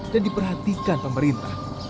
dan diperhatikan pemerintah